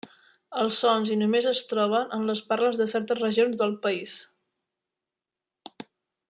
Els sons i només es troben en les parles de certes regions del país.